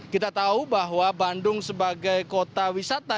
kita tahu bahwa bandung sebagai kota wisata